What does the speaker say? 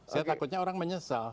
saya takutnya orang menyesal